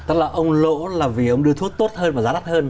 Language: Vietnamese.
tức là ông lỗ là vì ông đưa thuốc tốt hơn và giá đắt hơn